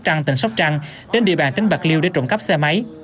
tỉnh sóc trăng đến địa bàn tỉnh bạc liêu để trộn cắp xe máy